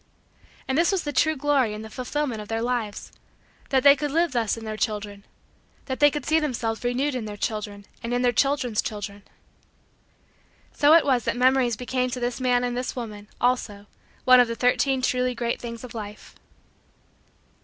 And this was the true glory and the fulfillment of their lives that they could live thus in their children that they could see themselves renewed in their children and in their children's children. So it was that Memories became to this man and this woman, also, one of the Thirteen Truly Great Things of Life.